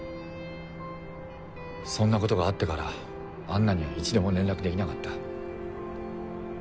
そんなことがあってから安奈には一度も連絡できなかった。